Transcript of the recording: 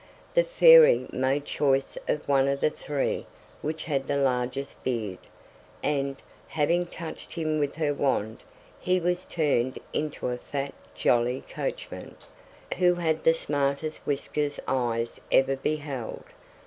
The fairy made choice of one of the three which had the largest beard, and, having touched him with her wand, he was turned into a fat, jolly coachman, who had the smartest whiskers eyes ever beheld.